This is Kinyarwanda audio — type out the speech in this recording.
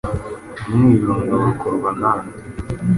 Umwirondoro ukorwa na nde?